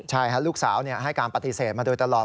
ใช่ลูกสาวให้การปฏิเสธมาโดยตลอด